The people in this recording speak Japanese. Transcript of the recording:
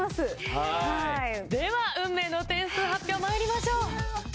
では運命の点数発表まいりましょう。